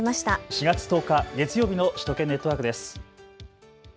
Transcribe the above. ４月１０日、月曜日の首都圏ネットワークです。